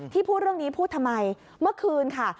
พูดเรื่องนี้พูดทำไมเมื่อคืนค่ะ